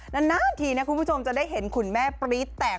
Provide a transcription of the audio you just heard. นานทีนะคุณผู้ชมจะได้เห็นคุณแม่ปรี๊ดแตก